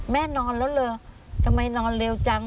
นอนแล้วเหรอทำไมนอนเร็วจัง